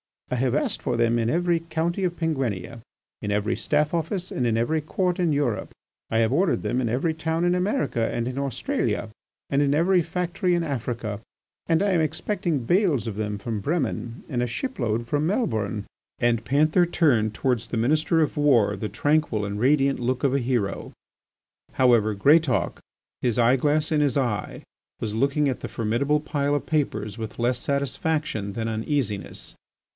"I have asked for them in every county of Penguinia, in every Staff Office and in every Court in Europe. I have ordered them in every town in America and in Australia, and in every factory in Africa, and I am expecting bales of them from Bremen and a ship load from Melbourne." And Panther turned towards the Minister of War the tranquil and radiant look of a hero. However, Greatauk, his eye glass in his eye, was looking at the formidable pile of papers with less satisfaction than uneasiness.